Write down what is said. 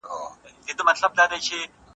هغه څوک چي سفر کوي، ډېر څه زده کوي.